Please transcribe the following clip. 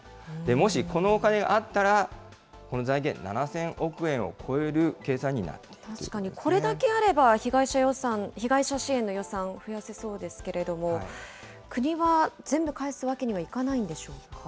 もしこのお金があったら、この財源、７０００億円を超える計算に確かに、これだけあれば被害者支援の予算、増やせそうですけれども、国は全部返すわけにはいかないんでしょうか。